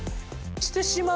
してしまう？